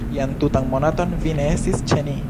Jam tutan monaton vi ne estis ĉe ni.